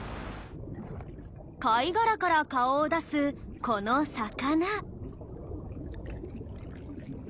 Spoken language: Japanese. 貝殻から顔を出すこの魚。